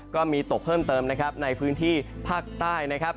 ก็มีตกเพิ่มเติมนะครับในพื้นที่ภาคใต้นะครับ